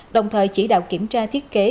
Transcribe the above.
đồng thời chỉ đạo kiểm tra thiết kế